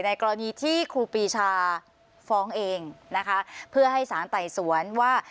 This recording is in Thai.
กรณีที่ครูปีชาฟ้องเองนะคะเพื่อให้สารไต่สวนว่า